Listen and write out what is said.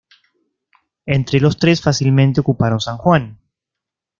Entre los tres fácilmente ocuparon San Juan.